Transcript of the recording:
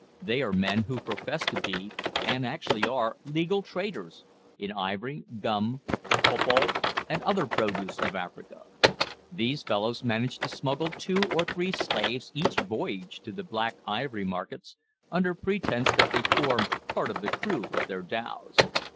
They are men who profess to be, and actually are, legal traders in ivory, gum, copal, and other produce of Africa. These fellows manage to smuggle two or three slaves each voyage to the Black Ivory markets, under pretence that they form part of the crew of their dhows.